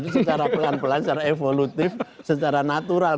secara pelan pelan secara evolutif secara natural